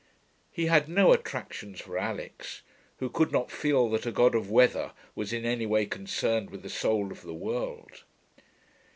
He had no attractions for Alix, who could not feel that a God of weather was in any way concerned with the soul of the world.